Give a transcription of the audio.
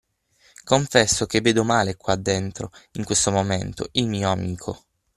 Confesso che vedo male qua dentro, in questo momento, il mio amico.